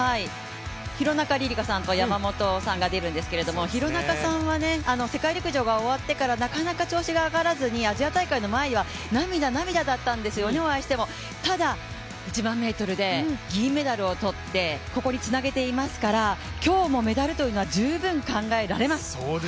廣中璃梨佳選手と山本さんが出るんですが廣中さんは世界陸上が終わってからなかなか調子が上がらずにアジア大会の前は涙、涙だったんです、お会いしても。ただ、１００００ｍで銀メダルをとってここにつなげていますから、今日もメダルというのは、十分考えられます。